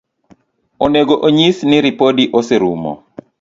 Onego onyis ni ripodi oserumo